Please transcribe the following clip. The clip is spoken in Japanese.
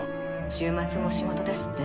週末も仕事ですって？